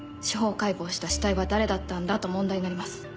司法解剖した死体は誰だったんだと問題になります。